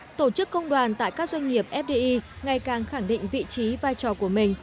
tổ chức công đoàn tại các doanh nghiệp fdi ngày càng khẳng định vị trí vai trò của mình